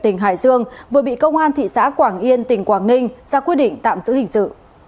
tỉnh hải dương vừa bị công an thị xã quảng yên tỉnh quảng ninh ra quyết định tạm giữ hình sự